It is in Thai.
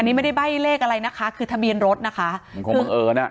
อันนี้ไม่ได้ใบ้เลขอะไรนะคะคือทะเบียนรถนะคะของบังเอิญอ่ะ